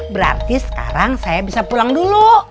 berarti sekarang saya bisa pulang dulu